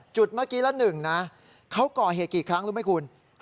จุดเมื่อกี้ละ๑นะเขาก่อเหตุกี่ครั้งรู้ไหมคุณ